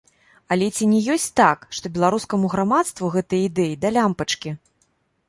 Але ці не ёсць так, што беларускаму грамадству гэтыя ідэі да лямпачкі.